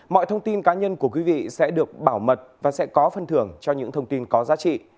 mọi thông tin cá nhân của quý vị sẽ được bảo mật và sẽ có phân thưởng cho những thông tin có giá trị